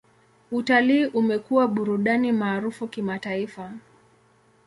Utalii umekuwa burudani maarufu kimataifa.